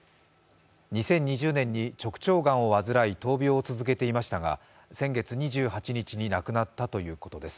２０２０年に直腸がんを患い闘病を続けていましたが、先月２８日に亡くなったということです。